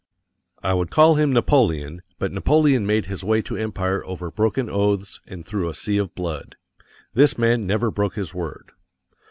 I would call him Napoleon, but Napoleon made his way to empire over broken oaths and through a sea of blood. This man never broke his word.